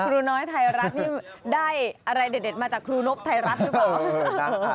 ครูน้อยไทยรัฐนี่ได้อะไรเด็ดมาจากครูนบไทยรัฐหรือเปล่า